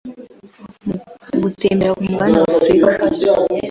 gutembera ku mugabane wa Afurik anabahanga